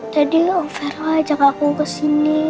tadi om fero ajak aku kesini